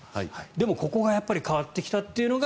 でも、ここが変わってきたというのが